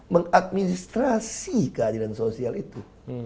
mengadministrasi keadilan sosial itu